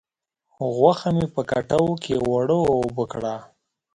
غوښه مې په کټو کې اوړه و اوبه کړه.